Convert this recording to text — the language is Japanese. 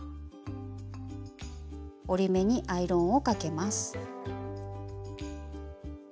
折り目にアイロンをかけます。